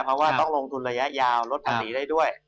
เพราะว่าต้องลงทุนระยะยาวลดภาษีได้ด้วย